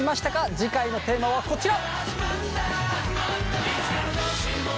次回のテーマはこちら！